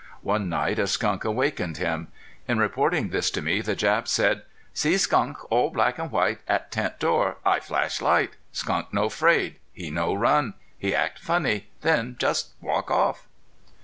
One night a skunk awakened him. In reporting this to me the Jap said: "See skunk all black and white at tent door. I flash light. Skunk no 'fraid. He no run. He act funny then just walk off."